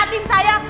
aku mau ngajak